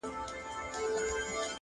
همدایو کسب یې زده همدا خواري وه -